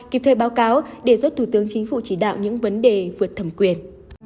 kịp thời báo cáo để giúp thủ tướng chính phủ chỉ đạo những vấn đề vượt thẩm quyền